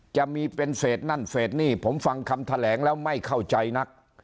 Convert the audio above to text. จะมีเป็นเฟสนั่นเฟสนี่ผมฟังคำแถลงแล้วไม่เข้าใจนัก